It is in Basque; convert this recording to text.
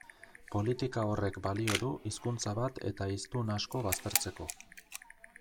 Politika horrek balio du hizkuntza bat eta hiztun asko baztertzeko.